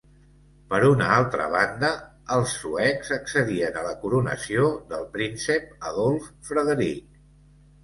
Per una altra banda, els suecs accedien a la coronació del príncep Adolf Frederic.